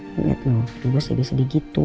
lihat lu gue sih lebih sedih gitu